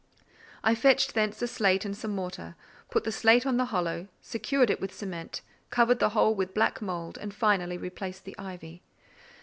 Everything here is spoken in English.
I fetched thence a slate and some mortar, put the slate on the hollow, secured it with cement, covered the hole with black mould, and, finally, replaced the ivy.